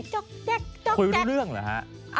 จ๊อกแจ๊กจ๊อกแจ๊กคุยรู้เรื่องเหรอฮะ